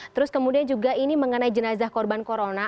terus kemudian juga ini mengenai jenazah korban corona